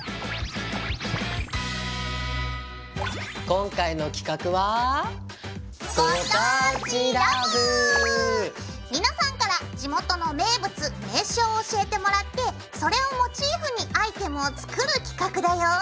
今回の企画は皆さんから地元の名物名所を教えてもらってそれをモチーフにアイテムを作る企画だよ。